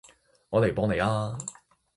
我嚟幫你吖